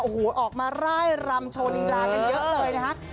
โอ้โหออกมาร่ายรำโชว์ลีลากันเยอะเลยนะคะ